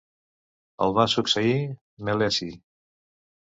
El va succeir Meleci.